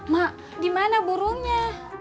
mak di mana burungnya